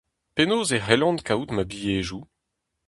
Penaos e c'hellan kaout ma bilhedoù ?